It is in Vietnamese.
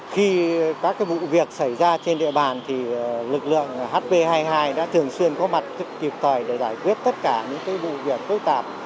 khi các vụ việc xảy ra trên địa bàn thì lực lượng hp hai mươi hai đã thường xuyên có mặt kịp thời để giải quyết tất cả những vụ việc phức tạp